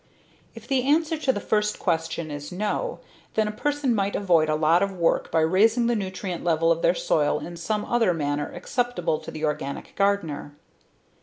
If the answer to the first question is no, then a person might avoid a lot of work by raising the nutrient level of their soil in some other manner acceptable to the organic gardener.